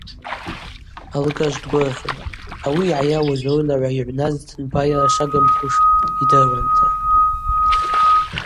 Алыгажв дгвыргъьун – ауи йгӏайауыз рунагӏва йыгӏвназтын байара шагымхуш йдыруанта.